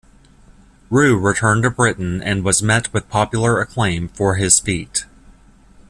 Riou returned to Britain and was met with popular acclaim for his feat.